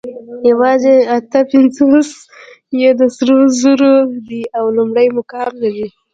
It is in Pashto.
یواځې اته پنځوس یې د سرو زرو دي او لومړی مقام لري